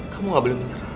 kamu gak boleh menyerah